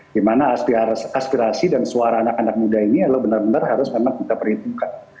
di mana aspirasi dan suara anak anak muda ini ya lo benar benar harus memang kita perhitungkan